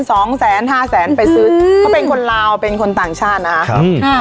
สองแสนห้าแสนไปซื้อเขาเป็นคนลาวเป็นคนต่างชาตินะครับค่ะ